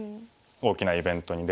大きなイベントに。